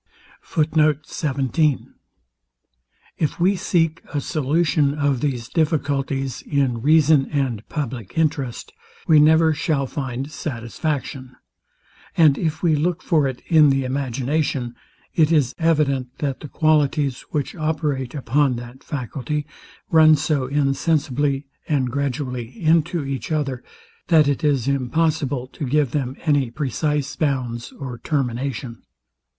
If we seek a solution of these difficulties in reason and public interest, we never shall find satisfaction; and if we look for it in the imagination, it is evident, that the qualities, which operate upon that faculty, run so insensibly and gradually into each other, that it is impossible to give them any precise bounds or termination.